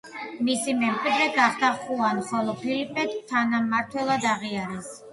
მისი მემკვიდრე გახდა ხუანა, ხოლო ფილიპე თანამმართველად აღიარეს.